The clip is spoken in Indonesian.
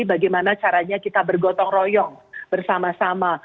bagaimana caranya kita bergotong royong bersama sama